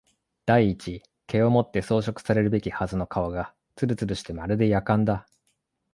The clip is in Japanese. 第一毛をもって装飾されるべきはずの顔がつるつるしてまるで薬缶だ